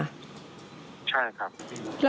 ใช่ครับ